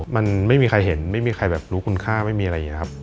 มันไม่มีใครเห็นไม่มีใครแบบรู้คุณค่าไม่มีอะไรอย่างนี้ครับ